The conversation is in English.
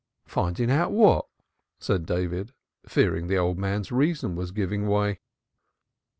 "Finding out what?" said David, fearing the old man's reason was giving way.